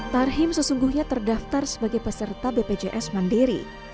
tarhim sesungguhnya terdaftar sebagai peserta bpjs mandiri